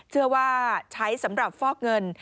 เชื่อว่าใช้สำหรับฟอกเงิน